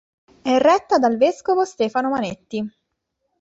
È retta dal vescovo Stefano Manetti.